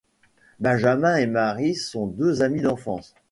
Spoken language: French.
Benjamin et Marie sont deux amis d'enfance.